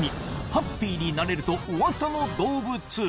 ハッピーになれると噂の動物。